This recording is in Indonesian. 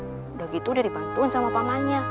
sudah gitu sudah dibantuin sama pak man